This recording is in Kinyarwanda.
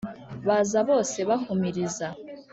Baza bose bahumiriza!